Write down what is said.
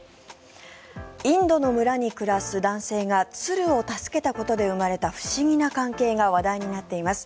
インドの村に暮らす男性が鶴を助けたことで生まれた不思議な関係が話題になっています。